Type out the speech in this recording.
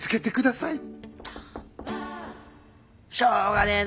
しょうがねえな。